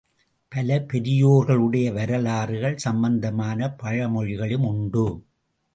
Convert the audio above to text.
பல பெரியோர்களுடைய வரலாறுகள் சம்பந்தமான பழமொழிகளும் உண்டு.